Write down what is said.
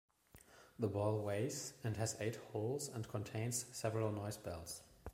The ball weighs and has eight holes and contains several noise bells.